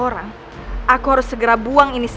kenapa tepang the